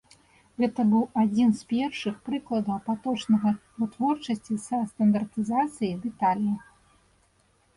Гэта быў адзін з першых прыкладаў паточнага вытворчасці са стандартызацыяй дэталей.